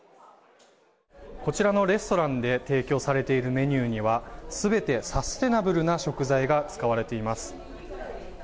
こちらのレストランで提供されているメニューには全てサステナブルな食材が使われています。